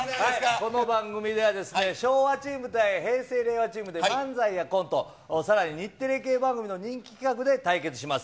この番組では、昭和チーム対平成・令和チームで漫才やコント、さらに日テレ系番組の人気企画で対決します。